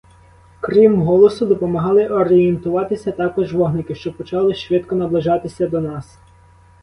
Крім голосу, допомагали орієнтуватися також вогники, що почали швидко наближатися до нас.